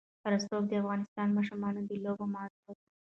رسوب د افغان ماشومانو د لوبو موضوع ده.